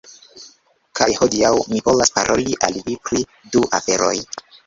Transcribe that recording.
Kaj hodiaŭ mi volas paroli al vi pri du aferoj.